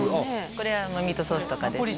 これミートソースとかですね